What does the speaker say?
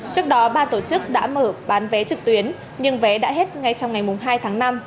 trước đó ba tổ chức đã mở bán vé trực tuyến nhưng vé đã hết ngay trong ngày hai tháng năm